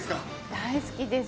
大好きです。